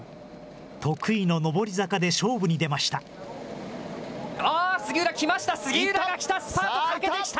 得意の上り坂で勝負に出ました。